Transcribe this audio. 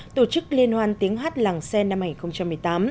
tổ chức liên hoan tiếng hát làng xen năm hai nghìn một mươi tám